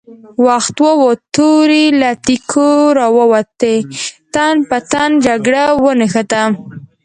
وخت ووت، تورې له تېکو را ووتې، تن په تن جګړه ونښته!